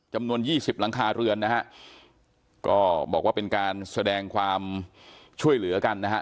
จำนวนยี่สิบหลังคาเรือนนะฮะก็บอกว่าเป็นการแสดงความช่วยเหลือกันนะฮะ